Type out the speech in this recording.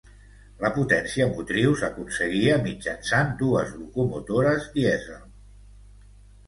La potència motriu s'aconseguia mitjançant dues locomotores dièsel.